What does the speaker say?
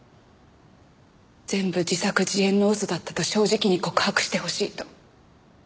全部自作自演の嘘だったと正直に告白してほしいと。